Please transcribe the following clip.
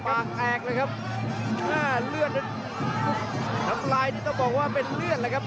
ปากแตกเลยครับหน้าเลือดนั้นน้ำลายนี่ต้องบอกว่าเป็นเลือดเลยครับ